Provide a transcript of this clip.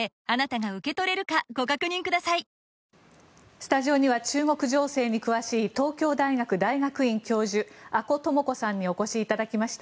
スタジオには中国情勢に詳しい東京大学大学院教授阿古智子さんにお越しいただきました。